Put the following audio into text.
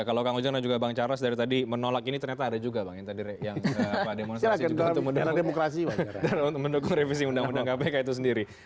kalau kang ujang dan juga bang charles dari tadi menolak ini ternyata ada juga bang yang demonstrasi juga untuk mendukung revisi undang undang kpk itu sendiri